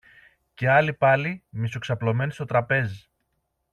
και άλλοι πάλι, μισοξαπλωμένοι στο τραπέζ